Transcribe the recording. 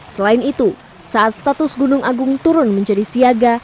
selain itu saat status gunung agung turun menjadi siaga